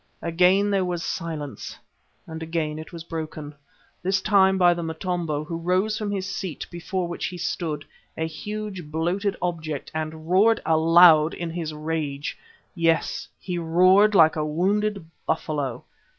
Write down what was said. Again there was silence and again it was broken, this time by the Motombo, who rose from his seat before which he stood, a huge, bloated object, and roared aloud in his rage. Yes, he roared like a wounded buffalo.